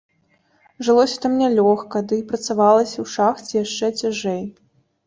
Жылося там нялёгка, ды і працавалася ў шахце яшчэ цяжэй.